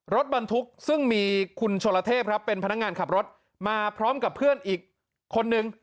รถบรรทุกซึ่งมีคุณชลเทพครับเป็นพนักงานขับรถมาพร้อมกับเพื่อนอีกคนนึง